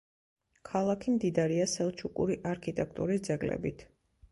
ქალაქი მდიდარია სელჩუკური არქიტექტურის ძეგლებით.